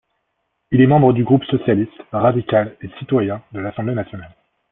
Il est membre du groupe Socialiste, radical et citoyen de l'Assemblée nationale.